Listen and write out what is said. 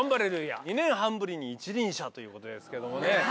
２年半ぶりに一輪車ということですけどもね。